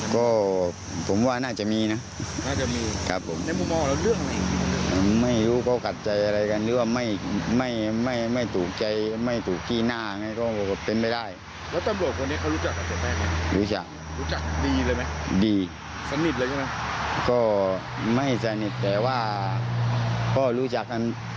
ก็ไม่สนิทแต่ว่าก็รู้จักกัน